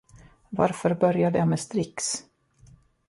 Varför började jag med Strix?